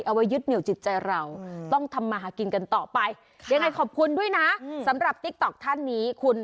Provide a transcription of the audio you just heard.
เอาไว้ยึดเหนียวจิตใจเราต้องทำมากินกันต่อไป